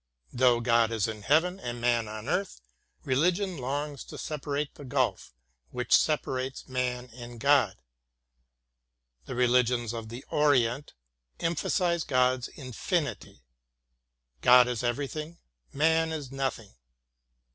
Though God is in heaven and man on earth, religion longs to bridge the gulf which separates man and God. The re ligions of the Orient emphasize God's infinity. God is everything, man is nothing.